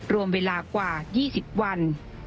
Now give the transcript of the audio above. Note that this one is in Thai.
รวมเวลากว่า๒๐วัน